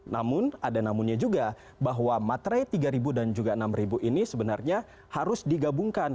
namun ada namunnya juga bahwa materai rp tiga dan juga rp enam ini sebenarnya harus digabungkan